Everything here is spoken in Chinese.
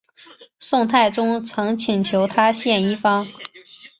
宋太宗曾请求他献医方。